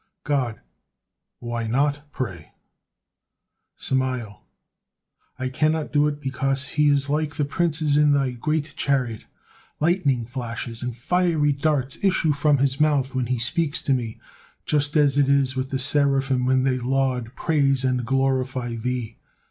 God: "Why not, pray?" Samael: "I cannot do it because he is like the princes in thy great chariot. Lightning flashes and fiery darts issue from his mouth when he speaks with me, just as it is with the Seraphim when they laud, praise and glorify Thee.